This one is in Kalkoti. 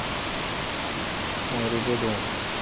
مہ روپہ دوں۔